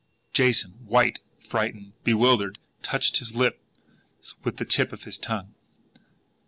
Jason, white, frightened, bewildered, touched his lips with the tip of his tongue.